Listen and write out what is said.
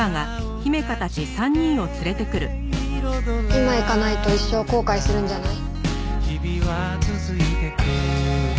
今行かないと一生後悔するんじゃない？